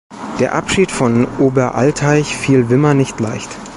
Der Abschied von Oberalteich fiel Wimmer nicht leicht.